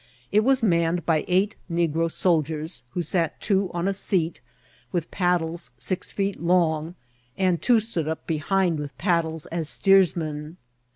It was maimed by eight negro soldiers, who sat two on a seat, with paddles six feet long, and two stood up behind with paddles as steers* men.